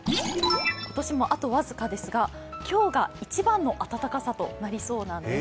今年もあと僅かですが今日が一番の暖かさとなりそうなんです。